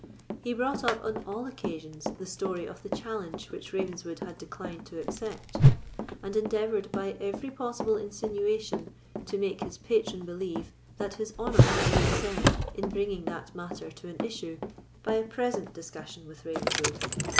He brought up on all occasions the story of the challenge which Ravenswood had declined to accept, and endeavoured, by every possible insinuation, to make his patron believe that his honour was concerned in bringing that matter to an issue by a present discussion with Ravenswood.